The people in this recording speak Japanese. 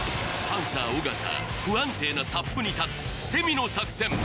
パンサー・尾形不安定なサップに立つ捨て身の作戦